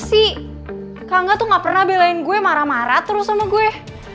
apa sih kakak tuh gak pernah belain gue marah marah terus sama gue